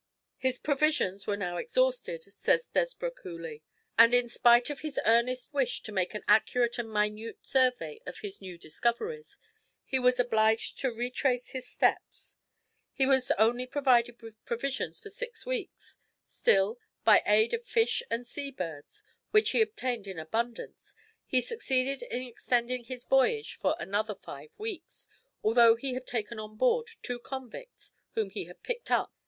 "His provisions were now exhausted," says Desborough Coolley, "and in spite of his earnest wish to make an accurate and minute survey of his new discoveries, he was obliged to retrace his steps. He was only provided with provisions for six weeks; still, by aid of fish and sea birds, which he obtained in abundance, he succeeded in extending his voyage for another five weeks, although he had taken on board two convicts, whom he had picked up.